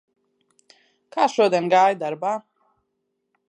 Kā šodien gāja darbā?